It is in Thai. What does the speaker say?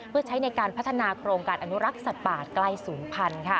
เพื่อใช้ในการพัฒนาโครงการอนุรักษ์สัตว์ป่าใกล้ศูนย์พันธุ์